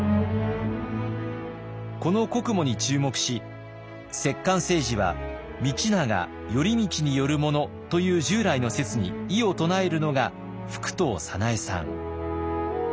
この国母に注目し摂関政治は道長頼通によるものという従来の説に異を唱えるのが服藤早苗さん。